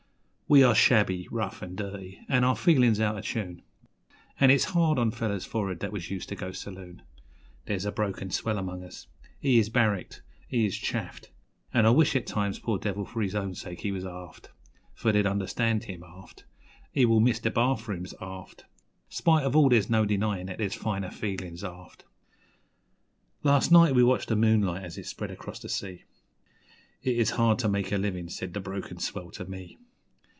We are shabby, rough, 'n' dirty, an' our feelin's out of tune, An' it's hard on fellers for'ard that was used to go saloon; There's a broken swell among us he is barracked, he is chaffed, An' I wish at times, poor devil, for his own sake he was aft; For they'd understand him, aft, (He will miss the bath rooms aft), Spite of all there's no denyin' that there's finer feelin's aft. Last night we watched the moonlight as it spread across the sea 'It is hard to make a livin',' said the broken swell to me.